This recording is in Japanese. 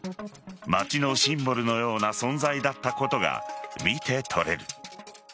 街のシンボルのような存在だったことが見て取れる。